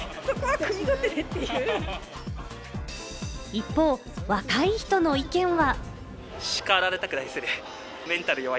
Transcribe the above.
一方、若い人の意見は。